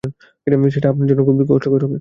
সেটা আপনার জন্য খুব কষ্টকর হবে।